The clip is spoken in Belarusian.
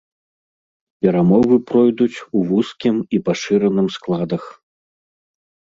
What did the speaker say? Перамовы пройдуць у вузкім і пашыраным складах.